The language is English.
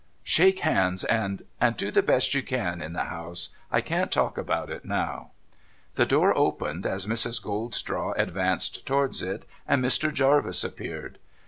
shake hands ; and — and do the best you can in the house — I can't talk about it now.' The door opened as Mrs. Goldstraw advanced towards it; and Mr. Jarvis appeared.